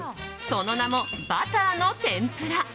その名も、バターの天ぷら。